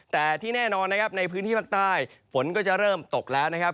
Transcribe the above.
แต่ที่แน่นอนนะครับในพื้นที่ภาคใต้ฝนก็จะเริ่มตกแล้วนะครับ